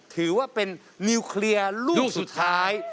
ถือว่าเป็นนิวเคลียร์ลูกสุดท้าย